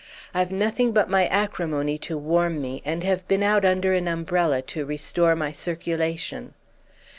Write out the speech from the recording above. I've nothing but my acrimony to warm me, and have been out under an umbrella to restore my circulation.